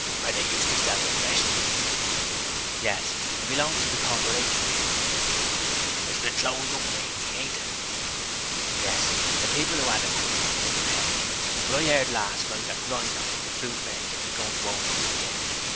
'Where they used to sell refreshments?' 'Yes; it belongs to the Corporation, you know.' 'It's been closed up lately, ain't it?' 'Yes; the people who 'ad it couldn't make it pay; but I 'eard last night that Grinder the fruit merchant is goin' to open it again.